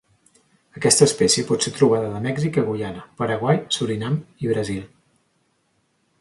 Aquesta espècie pot ser trobada de Mèxic a Guyana, Paraguai, Surinam i Brasil.